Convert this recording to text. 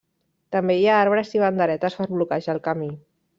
També hi ha arbres i banderetes per bloquejar el camí.